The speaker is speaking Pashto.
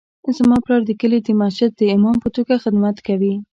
زما پلار د کلي د مسجد د امام په توګه خدمت کوي